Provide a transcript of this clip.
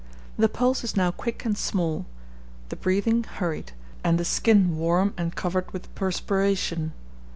The pulse is now quick and small, the breathing hurried, and the skin warm and covered with perspiration.